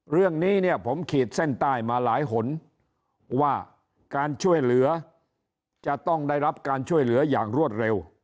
เรื่องนี้เนี่ยผมขีดเส้นใต้มาหลายหนว่าการช่วยเหลือจะต้องได้รับการช่วยเหลืออย่างรวดเร็ว